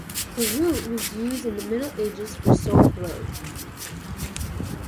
The root was used in the Middle Ages for sore throat.